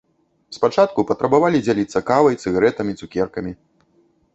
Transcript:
Спачатку патрабавалі дзяліцца кавай, цыгарэтамі, цукеркамі.